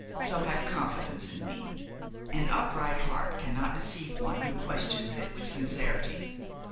So have confidence in me; an upright heart cannot deceive one who questions it with sincerity.